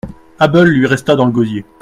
Able lui resta dans le gosier.